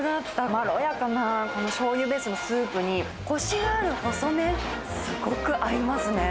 まろやかなこのしょうゆベースのスープに、こしのある細麺、すごく合いますね。